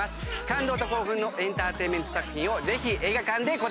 感動と興奮のエンターテインメント作品をぜひ映画館でご堪能ください！